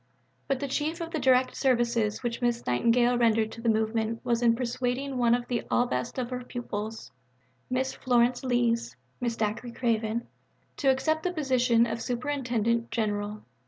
But the chief of the direct services which Miss Nightingale rendered to the movement was in persuading one of the ablest of her pupils Miss Florence Lees (Mrs. Dacre Craven) to accept the position of Superintendent General.